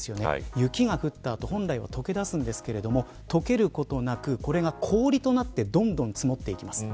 雪が降ったあと本来は解けるんですが解けることなく、これが氷となってどんどん積もっていきます。